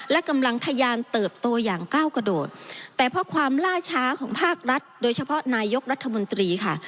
และกำลังทะยานเติบโตอย่างก้าวกระโดดแต่เพราะความล่าช้าของภาครัฐโดยเฉพาะนายกรัฐมนตรีค่ะ